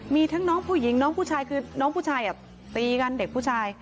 มีทั้งน้องผู้หญิงน้องผู้ชายคือน้องผู้ชายตีกันเด็กผู้ชาย